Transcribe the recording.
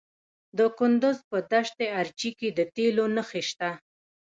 د کندز په دشت ارچي کې د تیلو نښې شته.